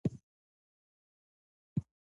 ماشومان باید درس ولولي.